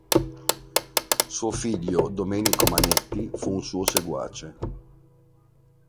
Suo figlio Domenico Manetti fu un suo seguace.